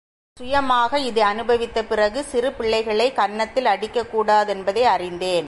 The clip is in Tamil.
சுயமாக இதை அனுபவித்த பிறகு, சிறு பிள்ளைகளைக் கன்னத்தில் அடிக்கக்கூடா தென்பதை அறிந்தேன்!